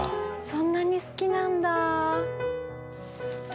そんなに好きなんだ。